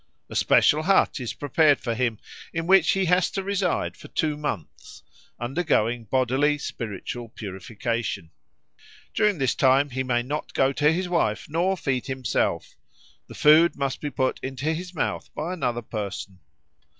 A special hut is prepared for him, in which he has to reside for two months, undergoing bodily and spiritual purification. During this time he may not go to his wife nor feed himself; the food must be put into his mouth by another person.